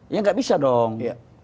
ya tidak bisa dong